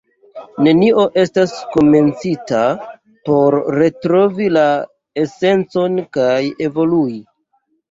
Nenio estas komencita por retrovi la esencon kaj evolui.